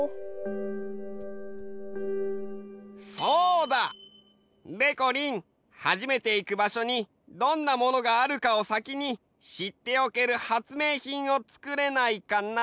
そうだ！でこりん初めていく場所にどんなものがあるかを先にしっておける発明品をつくれないかな？